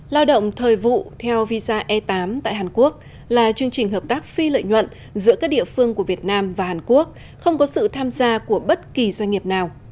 lao động thời vụ theo visa e tám tại hàn quốc là chương trình hợp tác phi lợi nhuận giữa các địa phương của việt nam và hàn quốc không có sự tham gia của bất kỳ doanh nghiệp nào